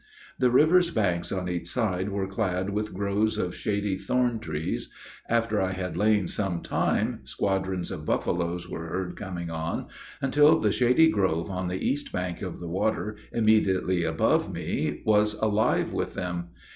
The river's banks on each side were clad with groves of shady thorn trees. After I had lain some time, squadrons of buffaloes were heard coming on, until the shady grove on the east bank of the water immediately above me was alive with them.